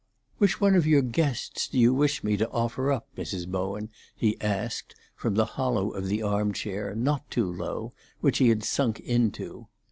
"Which one of your guests do you wish me to offer up, Mrs. Bowen?" he asked, from the hollow of the arm chair, not too low, which he had sunk into.